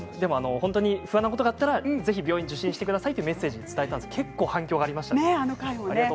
そんなことがあったら、ぜひ病院を受診してくださいとメッセージで伝えたら結構反響がありました。